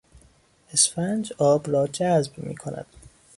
اسفنج، آب را جذب میکند.